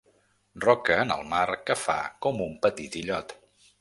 Roca en el mar que fa com un petit illot.